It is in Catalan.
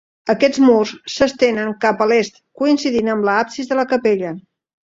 Aquests murs s'estenen cap a l'est coincidint amb l'absis de la capella.